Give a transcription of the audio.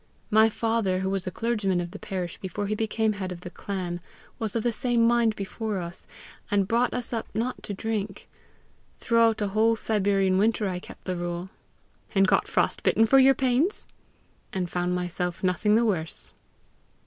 My father, who was clergyman of the parish before he became head of the clan, was of the same mind before us, and brought us up not to drink. Throughout a whole Siberian winter I kept the rule." "And got frost bitten for your pains?" "And found myself nothing the worse."